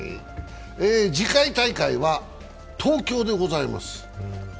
次回大会は東京でございます。